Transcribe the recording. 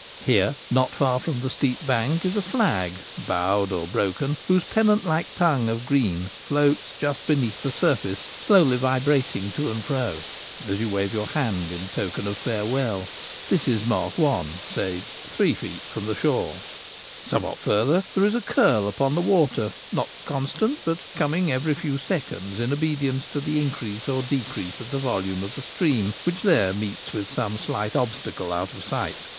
Here, not far from the steep bank, is a flag, bowed or broken, whose pennant like tongue of green floats just beneath the surface, slowly vibrating to and fro, as you wave your hand in token of farewell. This is mark one — say three feet from the shore. Somewhat farther there is a curl upon the water, not constant, but coming every few seconds in obedience to the increase or decrease of the volume of the stream, which there meets with some slight obstacle out of sight.